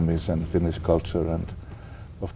một trải nghiệm